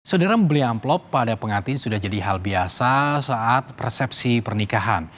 saudara membeli amplop pada pengantin sudah jadi hal biasa saat persepsi pernikahan